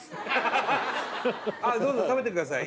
どうぞ食べてください